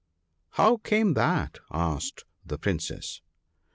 " How came that ?" asked the Princes.